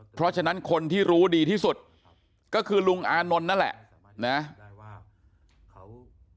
เพราะฉะนั้นคนที่รู้ดีที่สุดก็คือลุงอานนท์นั่นแหละนะ